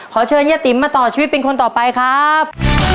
เชิญยะติ๋มมาต่อชีวิตเป็นคนต่อไปครับ